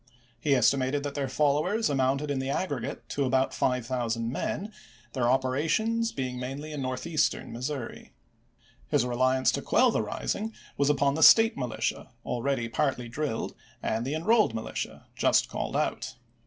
He estimated that their followers amounted in the aggregate to about five thousand men, their operations being mainly in Northeastern Missouri. His reliance to quell the rising was upon the State Militia, already partly drilled, and the Enrolled Militia, just called out.